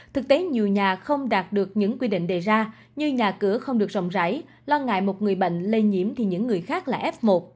thực tế nhiều nhà không đạt được những quy định đề ra như nhà cửa không được rộng rãi lo ngại một người bệnh lây nhiễm thì những người khác là f một